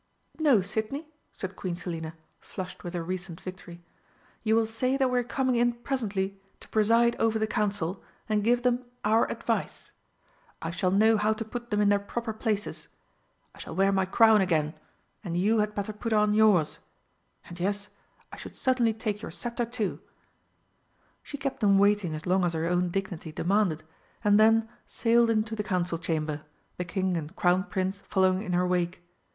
"No, Sidney," said Queen Selina, flushed with her recent victory, "you will say that we are coming in presently to preside over the Council and give them our advice. I shall know how to put them in their proper places. I shall wear my crown again, and you had better put on yours, and yes, I should certainly take your sceptre too." She kept them waiting as long as her own dignity demanded, and then sailed into the Council Chamber, the King and Crown Prince following in her wake.